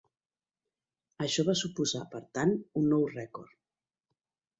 Això va suposar per tant un nou rècord.